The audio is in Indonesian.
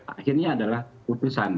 akhirnya adalah putusan